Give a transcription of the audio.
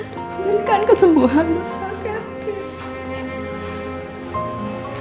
dan memberikan kesembuhan mbak catherine